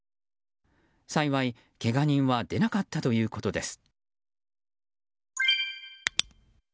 幸い、けが人は出なかったということです。